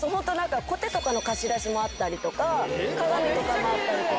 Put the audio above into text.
コテとかの貸し出しもあったり鏡とかもあったりとか。